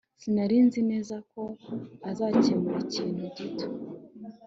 Sinari nzi neza ko azakemura ikintu gito